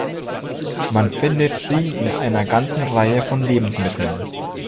Man findet sie in einer ganzen Reihe von Lebensmitteln.